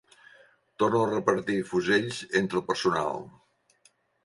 Torno a repartir fusells entre el personal.